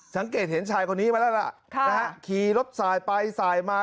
สังเกตเห็นชายคนนี้มาแล้วล่ะขี่รถสายไปสายมา